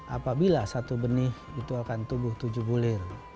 apabila satu benih itu akan tubuh tujuh bulir